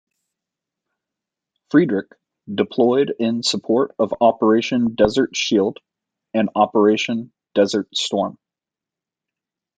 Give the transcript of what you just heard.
"Frederick" deployed in support of Operation Desert Shield and Operation Desert Storm.